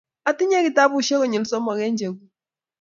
Atinye kitabushek konyil somok eng cheguk